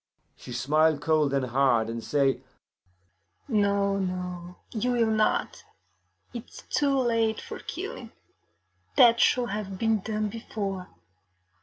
She smile cold and hard, and say, 'No, no, you will not; it is too late for killing; that should have been done before.